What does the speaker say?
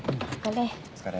お疲れ。